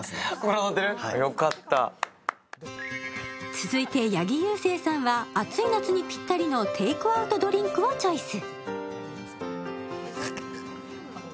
続いて八木勇征さんは暑い夏にぴったりのテイクアウトドリンクをチョイス。